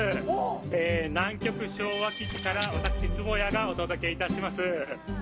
南極昭和基地から、私坪谷がお届けいたします。